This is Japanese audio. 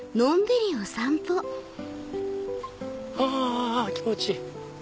はぁ気持ちいい！